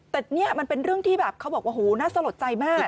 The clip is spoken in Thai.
แต่นี่มันเป็นเรื่องที่แบบเขาบอกว่าโหน่าสลดใจมาก